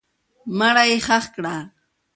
مړی یې ښخ کړه.